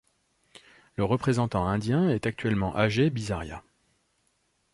Le représentant indien est actuellement Ajay Bisaria.